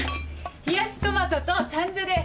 冷やしトマトとチャンジャです。